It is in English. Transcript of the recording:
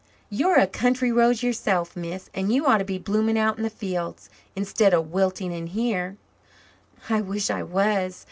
"You're a country rose yourself, miss, and you ought to be blooming out in the fields, instead of wilting in here." "I wish I was.